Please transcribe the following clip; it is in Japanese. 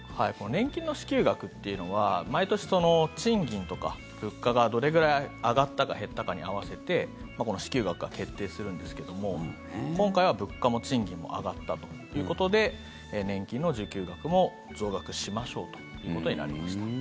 年金の支給額っていうのは毎年、賃金とか物価がどれくらい上がったか減ったかに合わせて支給額は決定するんですけども今回は物価も賃金も上がったということで年金の受給額も増額しましょうということになりました。